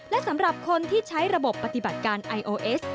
และสำหรับคนที่ใช้ระบบปฏิบัติการไอโอเอส